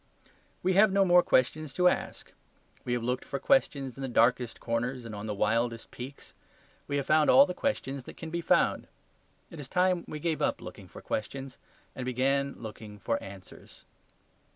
We have no more questions left to ask. We have looked for questions in the darkest corners and on the wildest peaks. We have found all the questions that can be found. It is time we gave up looking for questions and began looking for answers.